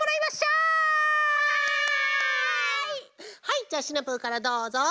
はいじゃあシナプーからどうぞ。